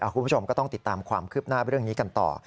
คุณผู้ชมก็ต้องติดตามความคืบหน้าเรื่องนี้กันต่อ